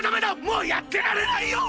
もうやってられないよ！